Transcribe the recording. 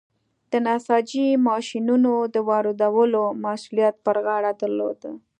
د نساجۍ ماشینونو د واردولو مسوولیت پر غاړه درلود.